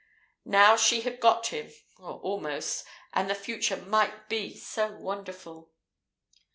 Now she had got him or almost and the future might be so wonderful!